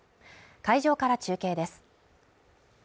会場から中継です。